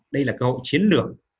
đây là cơ hội chiến lược